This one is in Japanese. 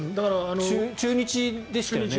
中日でしたよね？